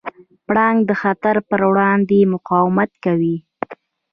پړانګ د خطر پر وړاندې مقاومت کوي.